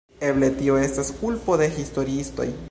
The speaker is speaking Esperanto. Eble tio ne estas kulpo de historiistoj.